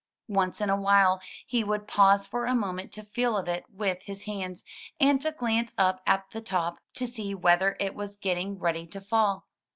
Once in a while he would pause for a moment to feel of it with his hands, and to glance up at the top to see whether it was getting ready to fall.